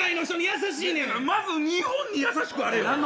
まず日本に優しくあれよ。